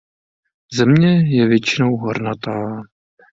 Země je většinou hornatá.